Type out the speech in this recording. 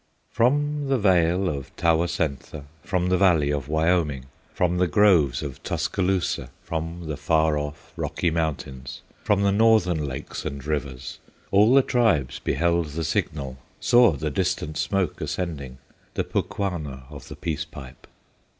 From the Vale of Tawasentha, From the Valley of Wyoming, From the groves of Tuscaloosa, From the far off Rocky Mountains, From the Northern lakes and rivers All the tribes beheld the signal, Saw the distant smoke ascending, The Pukwana of the Peace Pipe.